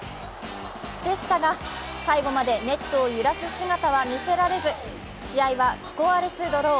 でしたが、最後までネットを揺らす姿は見せられず、試合はスコアレスドロー。